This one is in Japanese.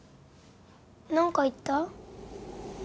何か言った？